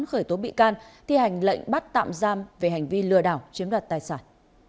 khởi tố bị can thi hành lệnh bắt tạm giam về hành vi lừa đảo chiếm đoạt tài sản